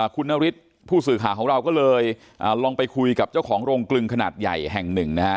คุณนฤทธิ์ผู้สื่อข่าวของเราก็เลยลองไปคุยกับเจ้าของโรงกลึงขนาดใหญ่แห่งหนึ่งนะฮะ